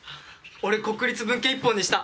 俺国立文系一本にした。